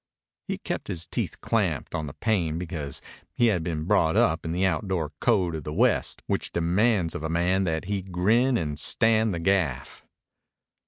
He kept his teeth clamped on the pain because he had been brought up in the outdoor code of the West which demands of a man that he grin and stand the gaff.